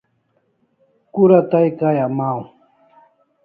Kura tay kay amaw?